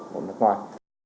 của nước ngoài